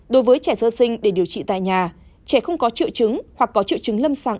đối với trẻ sơ sinh để điều trị tại nhà trẻ không có triệu chứng hoặc có triệu chứng lâm sàng